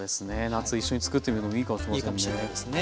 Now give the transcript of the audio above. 夏一緒に作ってみるのもいいかもしれませんね。